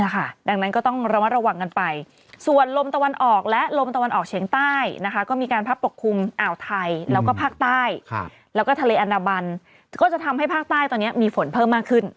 ภาคใต้แล้วก็ทะเลอันดบันก็จะทำให้ภาคใต้ตอนนี้มีฝนเพิ่มมากขึ้น